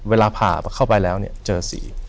เวลาผ่าเข้าไปแล้วเนี่ยเจอสี